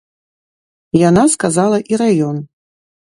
Яна сказала і раён.